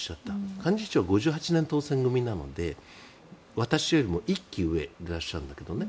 幹事長、５８年当選組なので私よりも１期上でいらっしゃるんだけどね。